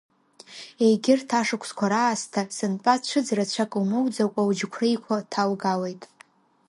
Егьырҭ ашықәсқәа раасҭа, сынтәа цәыӡ рацәак лмоуӡакәа лџьықәреиқәа ҭалгалеит.